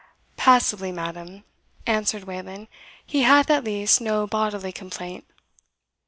"Passably, madam," answered Wayland; "he hath at least no bodily complaint."